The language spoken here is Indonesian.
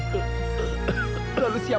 bapak tidak akan menangkapmu